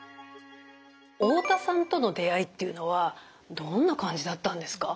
太田さんとの出会いっていうのはどんな感じだったんですか？